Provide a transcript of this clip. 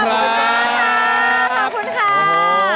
ขอบคุณค่ะ